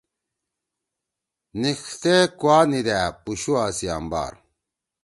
نِکتے کوا نیِدا، پُو شُو آ سی آمبار